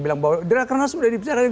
bilang bahwa rakernas sudah dibesarkan